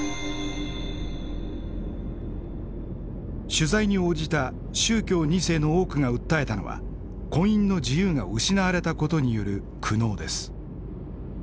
取材に応じた宗教２世の多くが訴えたのは婚姻の自由が失われたことによる苦悩です。